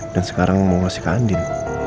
dan sekarang mau ngasih ke andin